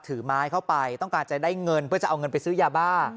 ถือไม้เข้าไปต้องการจะได้เงินเพื่อจะเอาเงินไปซื้อยาบ้า